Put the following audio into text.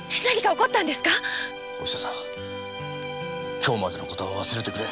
今日までの事は忘れてくれ。